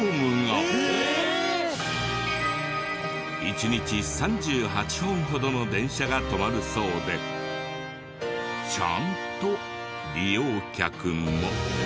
一日３８本ほどの電車が止まるそうでちゃんと利用客も。